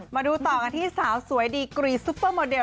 มาดูต่อกันที่สาวสวยดีกรีซุปเปอร์โมเดล